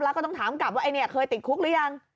แล้วก็ต้องถามกลับว่าไอ้เนี่ยเคยติดคุกหรือยัง